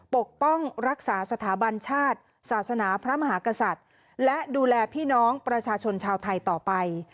ปกป้องรักษาสถาบันชาติศาสนาพระมหากษัตริย์และดูแลพี่น้องประชาชนชาวไทยต่อไป